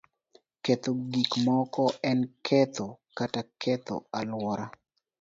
Ketho gik moko en ketho kata ketho alwora.